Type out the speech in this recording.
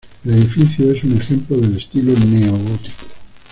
El edificio es un ejemplo del estilo neogótico.